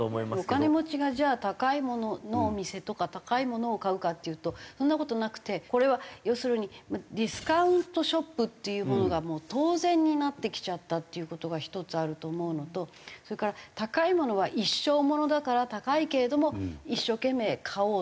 お金持ちがじゃあ高いもののお店とか高いものを買うかっていうとそんな事なくてこれは要するにディスカウントショップっていうものがもう当然になってきちゃったっていう事が一つあると思うのとそれから高いものは一生ものだから高いけれども一生懸命買おうっていう意識。